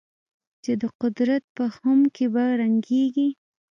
چې د قدرت په خُم کې به رنګېږي.